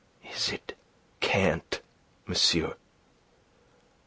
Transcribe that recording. "Is it cant, monsieur?